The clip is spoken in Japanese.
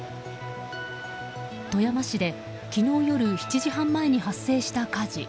富山市で昨日夜７時半前に発生した火事。